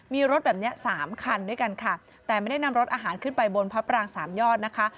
มีรถแบบเนี้ยสามคันด้วยกันค่ะแต่ไม่ได้นำรถอาหารขึ้นไปบนพระปรางสามยอดนะคะ